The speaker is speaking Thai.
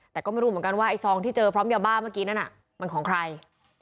แต่ก็ไม่รู้เหมือนกันว่าไอ้ซองที่เจอพร้อมยาบ้าเมื่อกี้นั้นมันของใคร